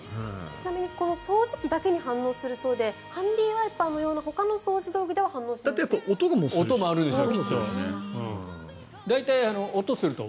ちなみにこの掃除機だけに反応するそうでハンディーワイパーなどほかの掃除道具では反応しないと。